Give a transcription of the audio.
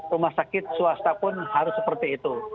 rumah sakit swasta pun harus seperti itu